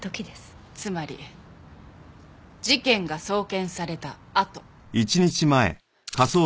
つまり事件が送検されたあと。